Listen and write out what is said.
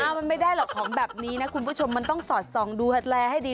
มันไม่ได้หรอกของแบบนี้นะคุณผู้ชมมันต้องสอดส่องดูแลให้ดี